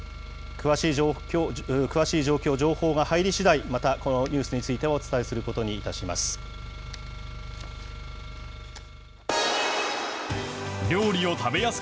詳しい状況、情報が入りしだい、また、このニュースについてもお伝えすることにいたします。